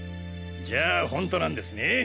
じゃあ本当なんですね。